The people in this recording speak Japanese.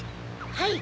はい！